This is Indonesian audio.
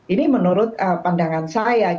ini menurut pandangan saya